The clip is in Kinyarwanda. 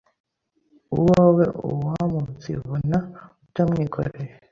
uwawe aumunsivuna utamwikoreye